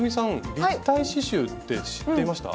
立体刺しゅうって知っていました？